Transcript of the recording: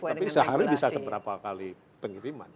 tapi sehari bisa seberapa kali pengiriman